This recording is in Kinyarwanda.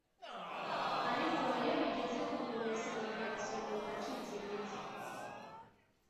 ariko iyo bigeze ku kumesa amakariso numva ncitse intege